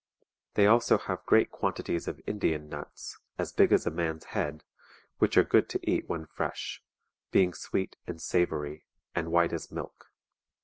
They have also great quantities of Indian nuts [as big as a man's head], which are good to eat when fresh; [being sweet and savoury, and white as milk.